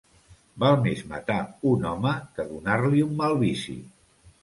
Val més matar un home que donar-li un mal vici.